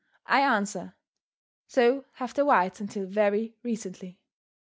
I answer, so have the whites until very recently.